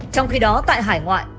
trong khi đó tại hải ngoại